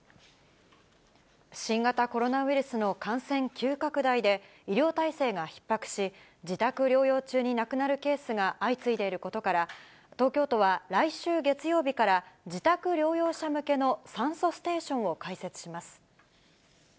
新型コロナウイルスの感染急拡大で、医療体制がひっ迫し、自宅療養中に亡くなるケースが相次いでいることから、東京都は来週月曜日から、自宅療養者向けの酸素ステーションを開設します。